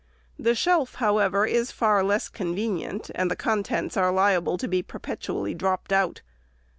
The shelf, however, is far less convenient, and the contents are liable to be perpetually dropped out.